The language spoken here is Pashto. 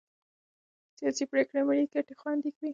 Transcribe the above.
سیاسي پرېکړې ملي ګټې خوندي کوي